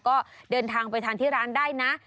ก็เดินทางไปทานที่ร้านได้นะ